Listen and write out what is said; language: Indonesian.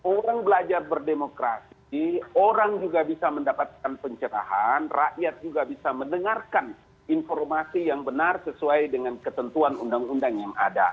orang belajar berdemokrasi orang juga bisa mendapatkan pencerahan rakyat juga bisa mendengarkan informasi yang benar sesuai dengan ketentuan undang undang yang ada